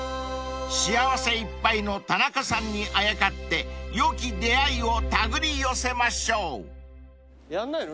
［幸せいっぱいの田中さんにあやかって良き出合いを手繰り寄せましょう］やんないの？